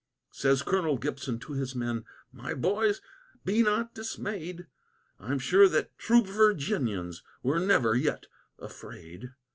Says Colonel Gibson to his men, "My boys, be not dismayed; I'm sure that true Virginians were never yet afraid.